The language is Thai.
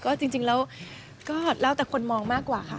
ก็จริงแล้วก็แล้วแต่คนมองมากกว่าค่ะ